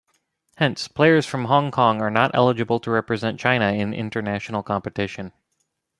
Hence, players from Hong Kong are not eligible to represent China in international competition.